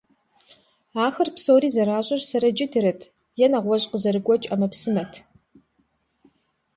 Ахэр псори зэращӀыр сэрэ джыдэрэт е нэгъуэщӀ къызэрыгуэкӀ Ӏэмэпсымэт.